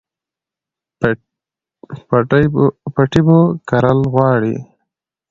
پټی به کرل غواړي